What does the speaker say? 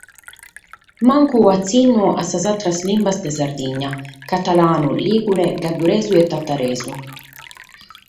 Mancu un’atzinnu a sas àteras limbas de Sardigna: catalanu, lìgure, gadduresu e tataresu.